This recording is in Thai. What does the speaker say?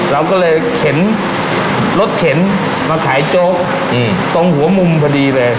เราก็เลยเข็นรถเข็นมาขายโจ๊กตรงหัวมุมพอดีเลย